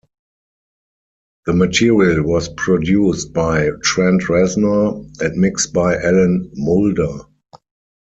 The material was produced by Trent Reznor and mixed by Alan Moulder.